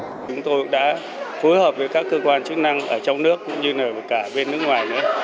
chúng tôi đã phối hợp với các cơ quan chức năng ở trong nước cũng như là cả bên nước ngoài nữa